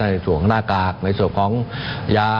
ในส่วนหน้ากากในส่วนของยา